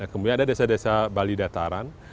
kemudian ada desa desa bali dataran